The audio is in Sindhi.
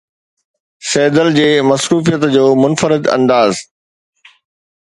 سيدل جي مصروفيت جو منفرد انداز